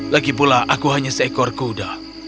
lagipula aku hanya seekor kuda